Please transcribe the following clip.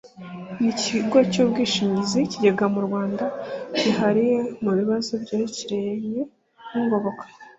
Ni ikigo cyubwishigizi kigega mu Rwanda cyihariye mu bibazo byerecyeranye n’ Ingoboka